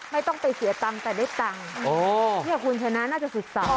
ไม่ต้องไปเสียตำแต่ได้ตังค์โอ้เนี่ยคุณชนะน่าจะศึกษา